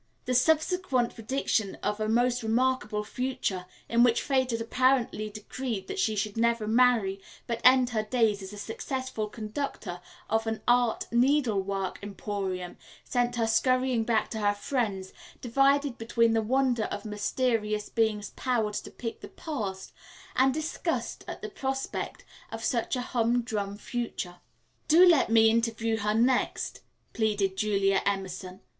The subsequent prediction of a most remarkable future, in which fate had apparently decreed that she should never marry but end her days as a successful conductor of an art needle work emporium, sent her scurrying back to her friends divided between wonder of the mysterious being's power to depict the past and disgust at the prospect of such a hum drum future. "Do let me interview her next," pleaded Julia Emerson.